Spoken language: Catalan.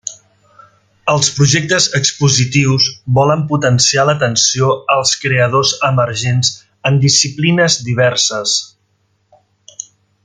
Els projectes expositius volen potenciar l’atenció als creadors emergents en disciplines diverses.